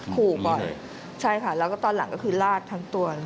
ขู่ก่อนใช่ค่ะแล้วก็ตอนหลังก็คือลาดทั้งตัว